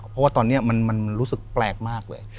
เพราะว่าตอนนี้มันรู้สึกแปลกมากเลย